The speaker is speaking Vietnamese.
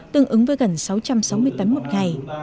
tương ứng với gần sáu trăm sáu mươi tấn một ngày